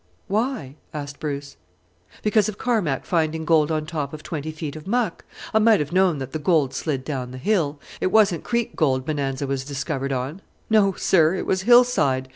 "Why?" asked Bruce. "Because of Carmack finding gold on top of twenty feet of muck. I might have known that the gold slid down the hill. It wasn't creek gold Bonanza was discovered on no, sir, it was hillside.